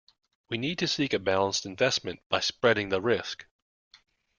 We need to seek a balanced investment by spreading the risk.